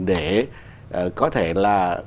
để có thể là